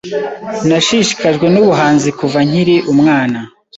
Nashishikajwe nubuhanzi kuva nkiri umwana.